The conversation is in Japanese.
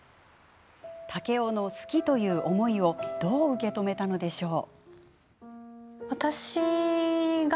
竹雄の好きという思いをどう受け止めたのでしょう？